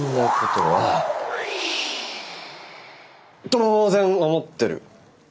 当然思ってる。